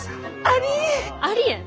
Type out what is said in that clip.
ありえん。